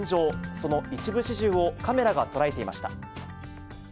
その一部始終をカメラが捉えていました。